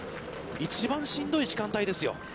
一番しんどい時間帯ですよ。